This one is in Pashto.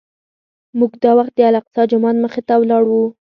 موږ دا وخت د الاقصی جومات مخې ته ولاړ وو.